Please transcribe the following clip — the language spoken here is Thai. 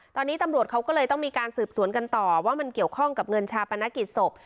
ตอนนี้ตำรวจเขาก็เลยต้องมีการสืบสวนกันต่อว่ามันเกี่ยวข้องกับเงินชาปนกิจศพ